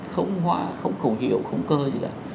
không hóa không khẩu hiệu không cơ gì cả